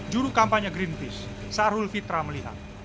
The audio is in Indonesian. juru kampanye greenpeace sarul fitra melihat